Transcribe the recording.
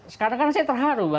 sekarang kan saya terharu